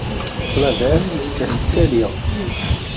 Ṭṭlaba-s la tettali.